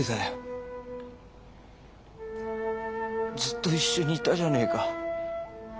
ずっと一緒にいたじゃねえか。